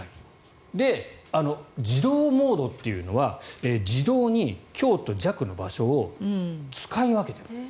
自動モードというのは自動に「強」と「弱」の場所を使い分けている。